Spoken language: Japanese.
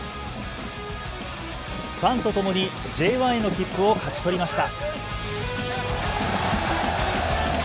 ファンとともにＪ１への切符を勝ち取りました。